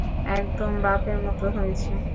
একদম বাপের মত হয়েছে।